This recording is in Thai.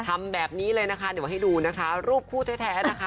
ทำแบบนี้เลยนะคะเดี๋ยวให้ดูนะคะรูปคู่แท้นะคะ